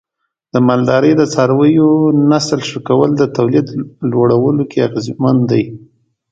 د مالدارۍ د څارویو نسل ښه کول د تولید لوړولو کې اغیزمن دی.